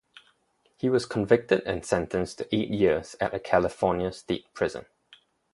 He was convicted and sentenced to eight years at a California state prison.